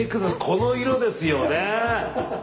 この色ですよね！